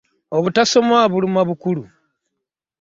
Obutasoma buluma bukulu.